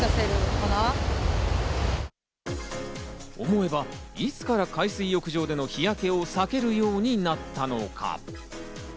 思えばいつから海水浴場での日焼けを避けるようになったのか？